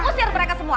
kusir mereka semua